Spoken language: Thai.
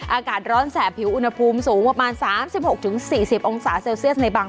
อากาศร้อนแสบผิวอุณหภูมิสูงประมาณสามสิบหกถึงสี่สิบองศาเซลเซียสในบาง